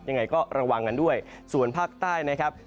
ยังไงก็ระวังกันด้วยส่วนภาคใต้นะครับ